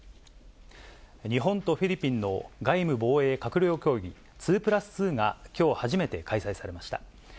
日本とフィリピンの外務・防衛閣僚協議、２プラス２が、きょう初めて開催されました。